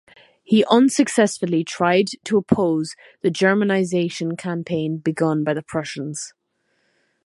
He unsuccessfully tried to oppose the Germanisation campaign begun by the Prussians.